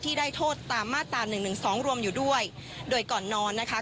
ได้โทษตามมาตราหนึ่งหนึ่งสองรวมอยู่ด้วยโดยก่อนนอนนะคะ